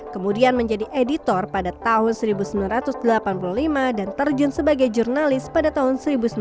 kemudian menjadi editor pada tahun seribu sembilan ratus delapan puluh lima dan terjun sebagai jurnalis pada tahun seribu sembilan ratus sembilan puluh